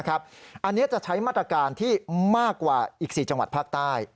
อันนี้จะใช้มาตรการที่มากกว่าอีก๔จังหวัดภาคใต้